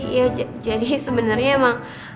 iya jadi sebenernya emang